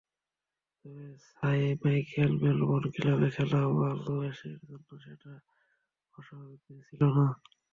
তবে Michael Melbourne ক্লাবে খেলা ওয়ালশের জন্য সেটা অস্বাভাবিক কিছু ছিল না।